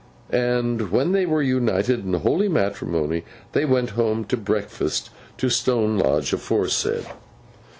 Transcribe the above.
And when they were united in holy matrimony, they went home to breakfast at Stone Lodge aforesaid.